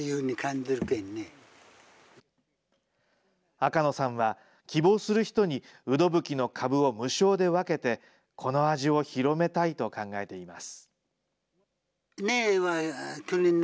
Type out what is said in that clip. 赤野さんは、希望する人にウドブキの株を無償で分けて、この味を広めたいと考えています。